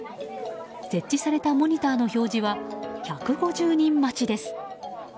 設置されたモニターの表示は１５０人待ちです。